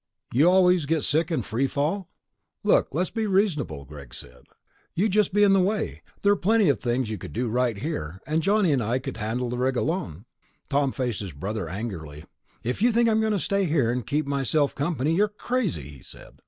"You always get sick in free fall?" "Look, let's be reasonable," Greg said. "You'd just be in the way. There are plenty of things you could do right here, and Johnny and I could handle the rig alone...." Tom faced his brother angrily. "If you think I'm going to stay here and keep myself company, you're crazy," he said.